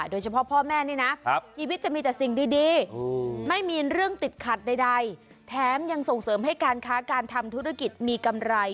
พ่อแม่นี่นะชีวิตจะมีแต่สิ่งดีไม่มีเรื่องติดขัดใดแถมยังส่งเสริมให้การค้าการทำธุรกิจมีกำไร